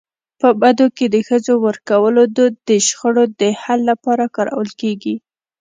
په بدو کي د ښځو ورکولو دود د شخړو د حل لپاره کارول کيږي.